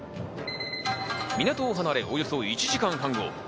港を離れ、およそ１時間半後。